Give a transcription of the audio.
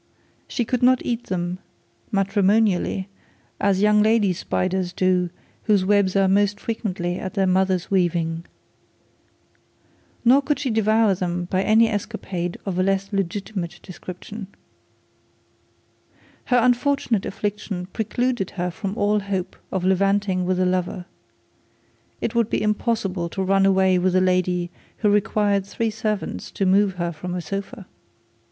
She could not eat them matrimonially as young lady flies do whose webs are most frequently of their mother's weaving. Nor could she devour them by any escapade of a less legitimate description. Her unfortunate affliction precluded her from all hope of levanting with a lover. It would be impossible to run away with a lady who required three servants to move her from a sofa.